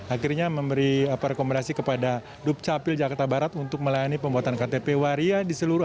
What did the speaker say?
akhirnya memberi rekomendasi kepada dukcapil jakarta barat untuk melayani pembuatan ktp waria di seluruh